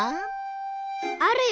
あるよ。